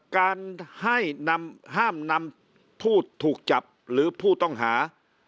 การให้ห้ามนำผู้ถูกจับหรือผู้ต้องหา